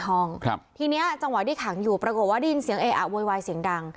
ให้หน้าถึงเนี้ยจังหวัดที่ขังอยู่ปรากฏว่าได้ยินเสียงเอนํ่ะ